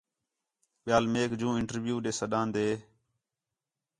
ٻِیال میک جوں انٹرویو ݙے سداندیں